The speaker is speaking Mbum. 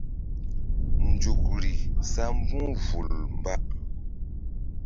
Nzukri sa mbu̧h vul mba.